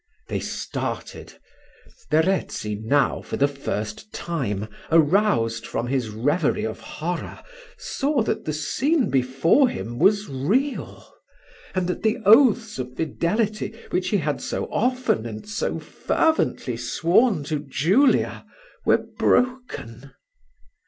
They started. Verezzi now, for the first time, aroused from his reverie of horror, saw that the scene before him was real; and that the oaths of fidelity which he had so often and so fervently sworn to Julia were broken.